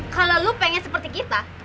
kalau lo pengen seperti kita